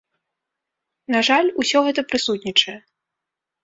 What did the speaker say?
На жаль, усё гэта прысутнічае.